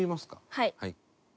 はい。